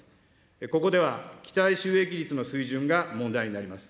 ここでは、期待収益率の水準が問題になります。